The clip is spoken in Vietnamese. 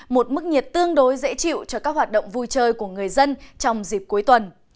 một mức nhiệt tương đối dễ chịu cho các hoạt động vui chơi của người dân trong dịp cuối tuần